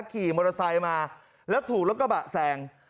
ขี่มอเตอร์ไซค์มาแล้วถูกรถกระบะแซง